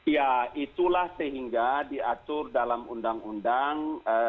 ya itulah sehingga diatur dalam undang undang